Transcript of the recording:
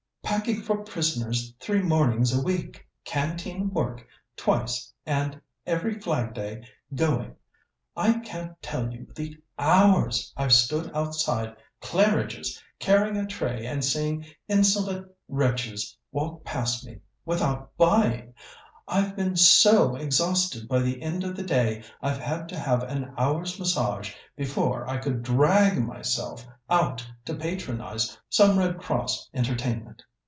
Packing for prisoners three mornings a week, canteen work twice, and every Flag day going. I can't tell you the hours I've stood outside Claridge's carrying a tray and seeing insolent wretches walk past me without buying. I've been so exhausted by the end of the day I've had to have an hour's massage before I could drag myself out to patronize some Red Cross entertainment.